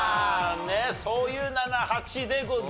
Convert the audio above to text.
ねっそういう７８でございました。